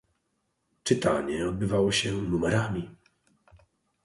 "Czytanie odbywało się numerami."